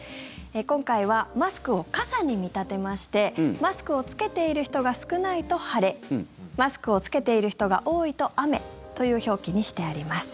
今回はマスクを傘に見立てましてマスクを着けている人が少ないと晴れマスクを着けている人が多いと雨という表記にしてあります。